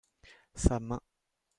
sa main.